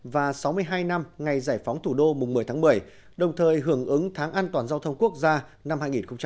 và sáu mươi hai năm ngày giải phóng thủ đô mùng một mươi tháng một mươi đồng thời hưởng ứng tháng an toàn giao thông quốc gia năm hai nghìn một mươi chín